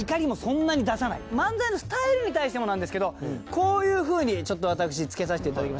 漫才のスタイルに対してもなんですけどこういうふうにちょっと私つけさせて頂きました。